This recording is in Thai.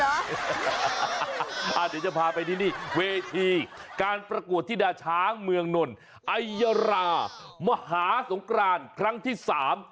เดี๋ยวจะพาไปที่นี่เวทีการประกวดธิดาช้างเมืองนนไอยรามหาสงกรานครั้งที่สาม